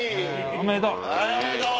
おめでとう。